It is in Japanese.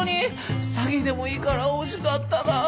詐欺でもいいから欲しかったなあ。